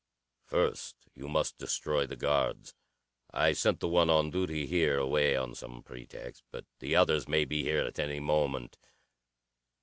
"First you must destroy the guards. I sent the one on duty here away on some pretext. But the others may be here at any moment.